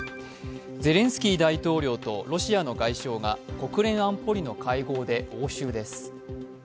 ゼレンスキー大統領とロシアの外相が国連安保理の会合で応酬です。